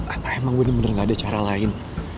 apa emang bener bener gak ada cara lain